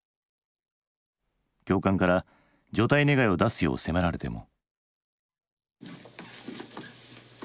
教官から除隊願いを出すよう迫られても。